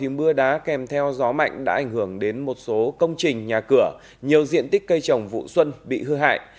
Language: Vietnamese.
mưa đá kèm theo gió mạnh đã ảnh hưởng đến một số công trình nhà cửa nhiều diện tích cây trồng vụ xuân bị hư hại